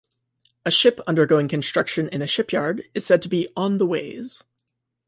A ship undergoing construction in a shipyard is said to be "on the ways".